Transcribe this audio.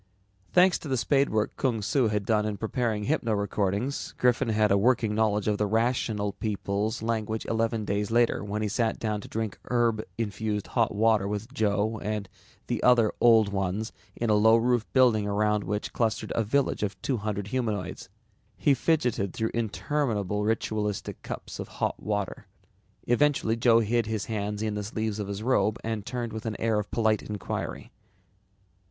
Thanks to the spade work Kung Su had done in preparing hypno recordings, Griffin had a working knowledge of the Rational People's language eleven days later when he sat down to drink herb infused hot water with Joe and other Old Ones in the low roofed wooden building around which clustered a village of two hundred humanoids. He fidgeted through interminable ritualistic cups of hot water. Eventually Joe hid his hands in the sleeves of his robe and turned with an air of polite inquiry.